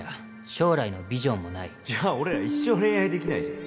将来のビジョンもじゃあ俺ら一生恋愛できないじゃん